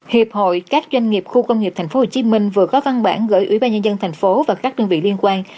hiệp hội các doanh nghiệp khu công nghiệp tp hcm vừa có văn bản gửi ủy ban nhân dân thành phố và các đơn vị liên quan